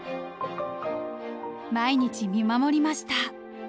［毎日見守りました］